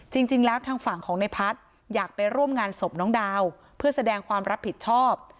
จริงแล้วทางฝั่งของในพัฒน์อยากไปร่วมงานศพน้องดาวเพื่อแสดงความรับผิดชอบ